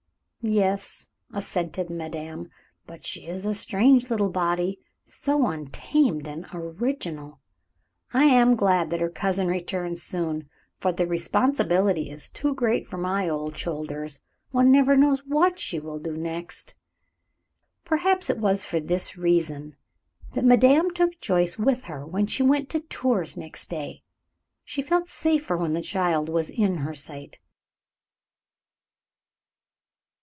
"Yes," assented madame; "but she is a strange little body, so untamed and original. I am glad that her cousin returns soon, for the responsibility is too great for my old shoulders. One never knows what she will do next." Perhaps it was for this reason that madame took Joyce with her when she went to Tours next day. She felt safer when the child was in her sight.